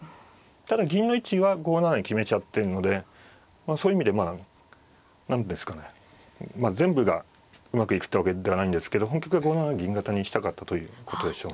ただ銀の位置は５七に決めちゃってんのでそういう意味でまあ何ですかね全部がうまくいくってわけではないんですけど本局は５七銀型にしたかったということでしょうね。